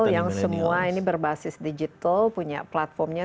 yang semua ini berbasis digital punya platformnya